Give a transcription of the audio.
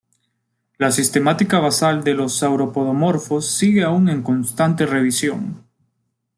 La sistemática basal de los sauropodomorfos sigue aún en constante revisión.